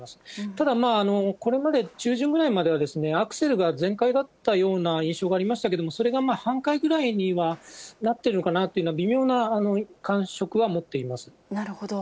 ただ、これまで、中旬ぐらいまではアクセルが全開だったような印象がありましたけども、それが半開ぐらいまでにはなってるのかなという、なるほど。